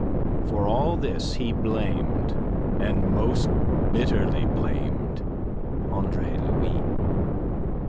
For all this he blamed, and most bitterly blamed, Andre Louis.